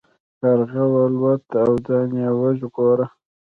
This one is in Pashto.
کارغه والوت او ځان یې وژغوره.